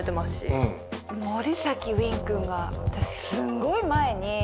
森崎ウィン君が私すんごい前に。